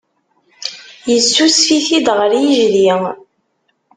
Yessusef-it-id ɣer yejdi.